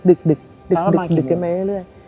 ดึกไก่ไหมได้เรื่อย